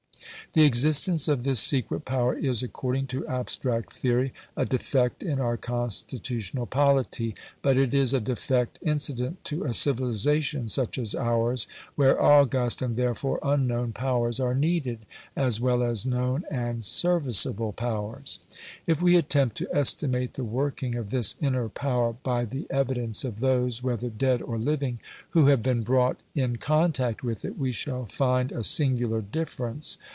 The existence of this secret power is, according to abstract theory, a defect in our constitutional polity, but it is a defect incident to a civilisation such as ours, where august and therefore unknown powers are needed, as well as known and serviceable powers. If we attempt to estimate the working of this inner power by the evidence of those, whether dead or living, who have been brought in contact with it, we shall find a singular difference.